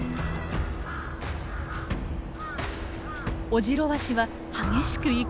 オジロワシは激しく威嚇。